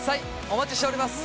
お待ちしております。